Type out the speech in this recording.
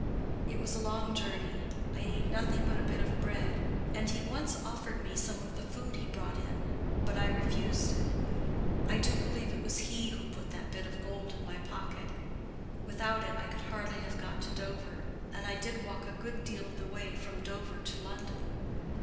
It was a long journey; I ate nothing but a bit of bread, and he once offered me some of the food he brought in, but I refused it. I do believe it was he who put that bit of gold in my pocket. Without it I could hardly have got to Dover, and I did walk a good deal of the way from Dover to London.